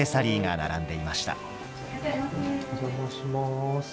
お邪魔します。